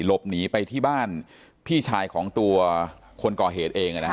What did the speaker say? หลบหนีไปที่บ้านพี่ชายของตัวคนก่อเหตุเอง